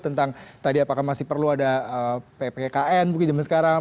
tentang tadi apakah masih perlu ada ppkm mungkin zaman sekarang